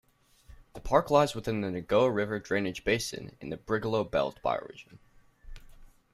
The park lies within the Nogoa River drainage basin in the Brigalow Belt bioregion.